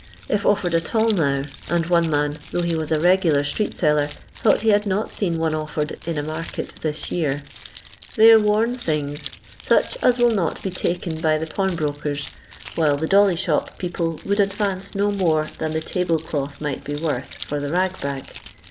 If offered at all now — and one man, though he was a reguhir street seller, thought he had not seen one offered in a market this year — they are worn things such as will not be taken by the pawnbrokers, while the dolly shop people would advance no more than the table cloth might be worth for the rag bag.